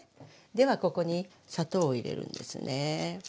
ではここに砂糖を入れるんですね。